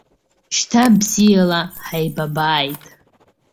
Шьҭа бзиала ҳаибабааит.